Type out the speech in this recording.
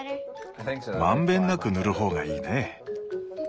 満遍なく塗る方がいいね。